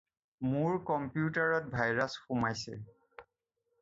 মোৰ কম্পিউটাৰত ভাইৰাছ সোমাইছে।